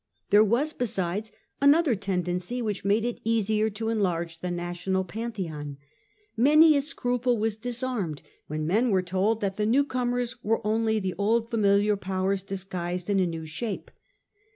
There was, besides, another tendency which made it easier to enlarge the national Pantheon. Many a scruple was disarmed when men were told that the new comers were only the old familiar powers disguised in a new shape.